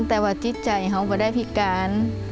แต่ว่าจิตใจเขาก็ได้พิการ